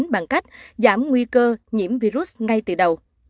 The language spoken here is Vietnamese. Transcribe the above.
bằng cách giảm nguy cơ nhiễm virus ngay từ đầu